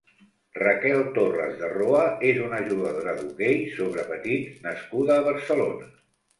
Raquel Torras de Roa és una jugadora d'hoquei sobre patins nascuda a Barcelona.